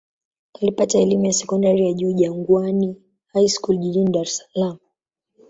Alipata elimu ya sekondari ya juu Jangwani High School jijini Dar es Salaam.